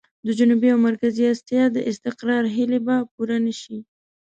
د جنوبي او مرکزي اسيا د استقرار هيلې به پوره نه شي.